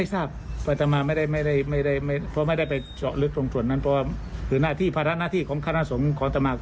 สมมุติว่าเป็นพระโกก่อยมันจะผิดหรือถูกอย่างไร